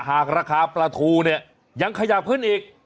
หากราคาปลาทูเนี่ยยังขยับขึ้นอีก